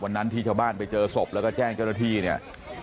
วันนั้นที่ชาวบ้านไปเจอศพแล้วก็แจ้งเจ้าหน้าที่เนี่ย